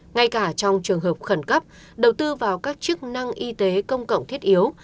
ngay cả trong trường hợp khẩn cấp đầu tư vào các chức năng y tế công cộng thiết yếu